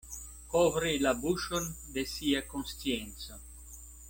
Kovri la buŝon de sia konscienco.